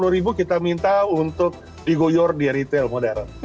dua ratus lima puluh ribu kita minta untuk digoyor di retail modern